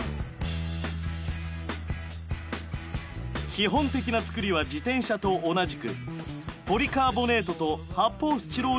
基本的な作りは自転車と同じくポリカーボネートと発泡スチロールが使われている。